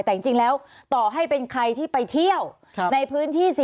แต่จริงแล้วต่อให้เป็นใครที่ไปเที่ยวในพื้นที่๔๐